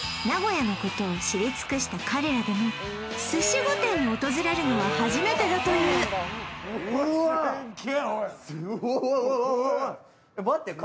名古屋のことを知り尽くした彼らでも寿司御殿を訪れるのは初めてだといううわっ！